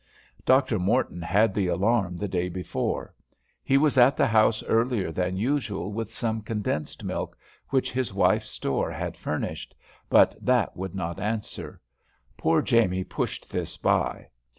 Dr. Morton had the alarm the day before. He was at the house earlier than usual with some condensed milk, which his wife's stores had furnished; but that would not answer. Poor Jamie pushed this by.